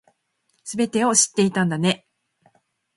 全てを知っていたんだね